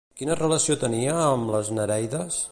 Quina relació tenia amb les Nereides?